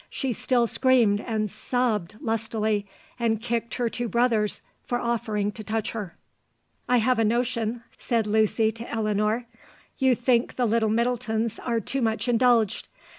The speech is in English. she still screamed and sobbed lustily, and kicked her two brothers for offering to touch her. ....... "'I have a notion,' said Lucy [to Elinor] 'you think the little Middletons are too much indulged.